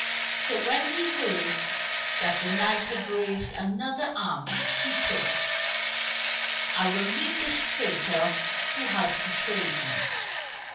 So when he heard that the knight had raised another army, he thought, "I will meet this traitor who has betrayed me.